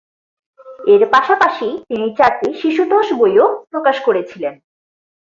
এর পাশাপাশি তিনি চারটি শিশুতোষ বইও প্রকাশ করেছিলেন।